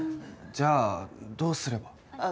じゃあどうすれば。